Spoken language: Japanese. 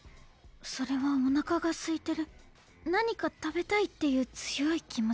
それはおなかがすいてる何か食べたいっていう強い気持ち。